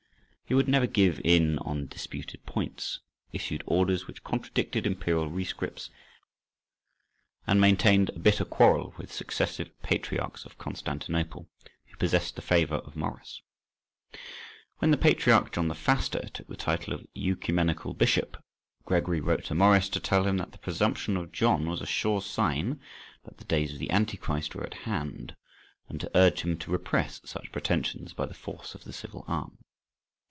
He would never give in on disputed points, issued orders which contradicted imperial rescripts, and maintained a bitter quarrel with successive patriarchs of Constantinople, who possessed the favour of Maurice. When the patriarch John the Faster took the title of "œcumenical bishop," Gregory wrote to Maurice to tell him that the presumption of John was a sure sign that the days of Antichrist were at hand, and to urge him to repress such pretensions by the force of the civil arm.